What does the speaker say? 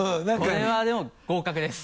これはでも合格です